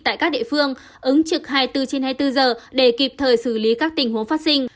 tại các địa phương ứng trực hai mươi bốn trên hai mươi bốn giờ để kịp thời xử lý các tình huống phát sinh